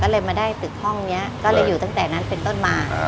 ก็เลยมาได้ตึกห้องนี้ก็เลยอยู่ตั้งแต่นั้นเป็นต้นมา